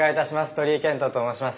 鳥居健人と申します。